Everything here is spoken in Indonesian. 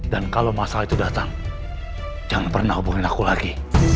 dan kalau masalah itu datang jangan pernah hubungi aku lagi